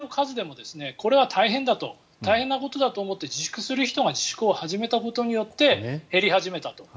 これは、あの当時はあれぐらいの数でもこれは大変だと大変なことだと思って自粛する人が自粛を始めたことによって減り始めたと。